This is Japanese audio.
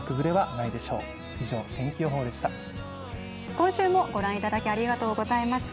今週もご覧いただきありがとうございました。